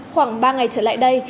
khoảng ba ngày trở lại đây